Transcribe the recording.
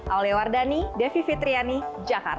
aulia wardani devi fitriani jakarta